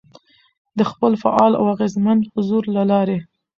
، د خپل فعال او اغېزمن حضور له لارې،